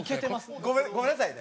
ごめんごめんなさいね。